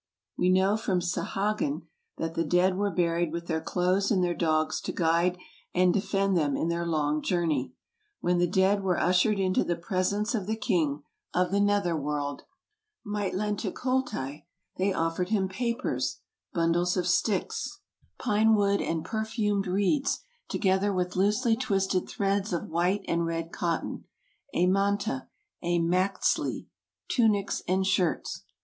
We know from Sahagun that the dead were buried with their clothes and their dogs to guide and defend them in their long journey: "When the dead were ushered into the presence of the king of the nether world, Mictlanteculti, they offered him papers, bundles of sticks, VOL. vi. — 8 100 TRAVELERS AND EXPLORERS pine wood and perfumed reeds, together with loosely twisted threads of white and red cotton, a manta, a maxtli, tunics, and shirts.